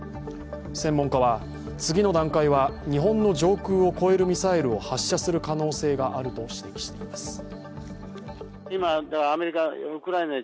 専門家は、次の段階は日本の上空を越えるミサイルを発射する可能性があると指摘しています。